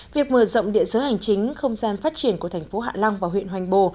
việc mở rộng địa giới hành chính không gian phát triển của thành phố hạ long và huyện hoành bồ